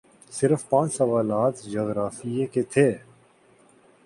صرف پانچ سوالات جغرافیے کے تھے